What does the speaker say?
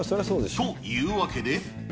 というわけで。